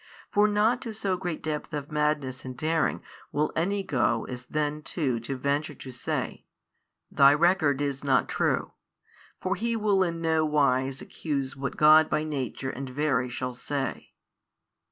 For not to so great depth of madness and daring will any go as then too to venture to say, Thy record is not true, for he will in no wise accuse what God by Nature and Very shall say.